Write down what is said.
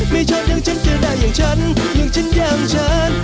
ไม่ชอบอย่างฉันจะได้อย่างฉันอย่างฉันอย่างฉัน